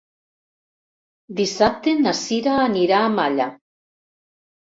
Dissabte na Sira anirà a Malla.